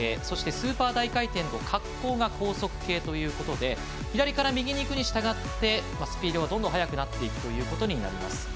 そして、スーパー大回転と滑降が高速系ということで左から右に行くにしたがってスピードがどんどん速くなっていきます。